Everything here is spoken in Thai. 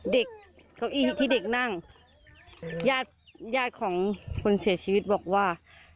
เก้าอี้ที่เด็กนั่งญาติญาติของคนเสียชีวิตบอกว่า